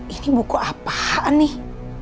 ini buku apaan nih